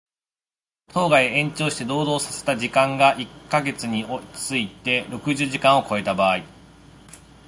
当該延長して労働させた時間が一箇月について六十時間を超えた場合